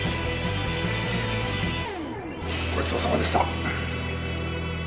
ごちそうさまでした。